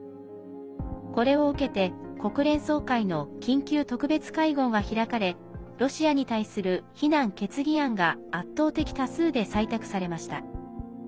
これを受けて国連総会の緊急特別会合が開かれロシアに対する非難決議案が圧倒的多数で採択されました。